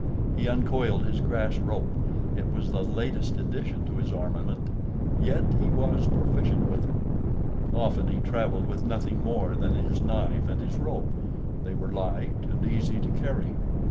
He uncoiled his grass rope—it was the latest addition to his armament, yet he was proficient with it. Often he traveled with nothing more than his knife and his rope—they were light and easy to carry.